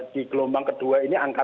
di gelombang kedua ini angka